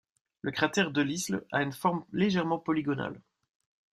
Le cratère Delisle a une forme légèrement polygonale.